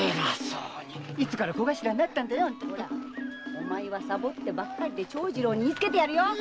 お前はサボッてばかりで長次郎に言いつけるよ！